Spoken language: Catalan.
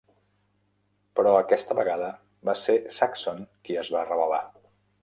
Però aquesta vegada va ser Saxon qui es va rebel·lar.